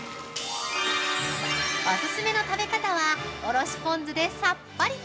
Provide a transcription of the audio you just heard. お勧めの食べ方は、おろしポン酢でさっぱりと。